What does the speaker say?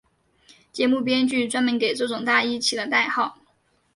节目编剧专门给这种大衣起了代号。